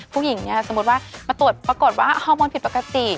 พี่ร่วงเต็มอยู่นี่